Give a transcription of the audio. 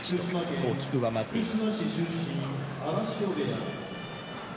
大きく上回っています。